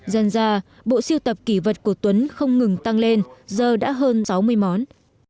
dần ra bộ siêu tập kỷ vật của tuấn không ngừng tăng lên giờ đã hơn sáu mươi món